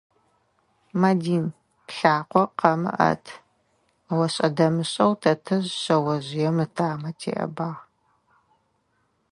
«Мадин, плъакъо къэмыӏэт»,- ошӏэ-дэмышӏэу тэтэжъ шъэожъыем ытамэ теӏэбагъ.